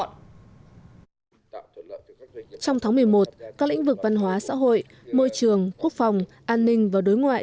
trong tháng một mươi một các lĩnh vực văn hóa xã hội môi trường quốc phòng an ninh và đối ngoại